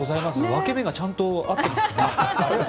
分け目がちゃんと合ってますね。